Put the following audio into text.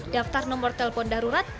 daftar nomor telpon darurat